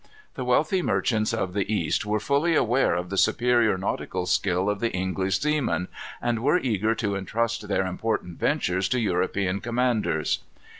The wealthy merchants of the East were fully aware of the superior nautical skill of the English seaman, and were eager to intrust their important ventures to European commanders.